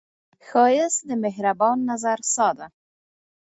ښایست د مهربان نظر ساه ده